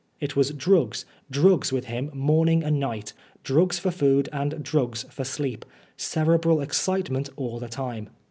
It was drugs, drugs with him morning and night, drugs for food and drugs for sleep ; cerebral excitement all the time.